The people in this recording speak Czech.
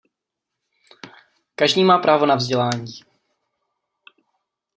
Každý má právo na vzdělání.